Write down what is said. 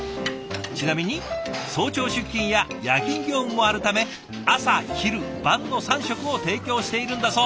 ちなみに早朝出勤や夜勤業務もあるため朝昼晩の３食を提供しているんだそう。